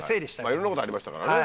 いろんなことありましたからね。